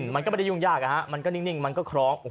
มันก็ไม่ได้ยุ่งยากมันก็นิ่งมันก็คล้อง